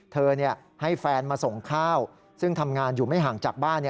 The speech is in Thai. ให้แฟนมาส่งข้าวซึ่งทำงานอยู่ไม่ห่างจากบ้าน